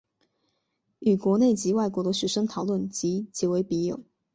与国内及外国的学生讨论及结为笔友。